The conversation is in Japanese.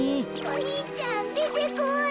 お兄ちゃんでてこい。